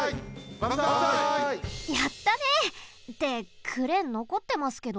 やったね！ってクレーンのこってますけど？